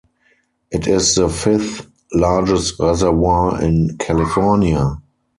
It is the fifth largest reservoir in California.